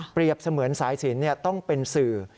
เสมือนสายสินต้องเป็นสื่อ